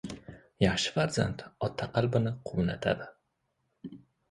• Yaxshi farzand ota qalbini quvnatadi.